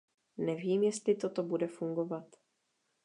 Nevím, jestli toto bude fungovat.